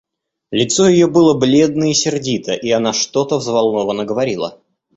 Лицо ее было бледно и сердито, и она что-то взволнованно говорила.